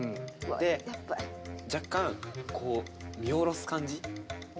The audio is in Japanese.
で若干こう見下ろす感じ。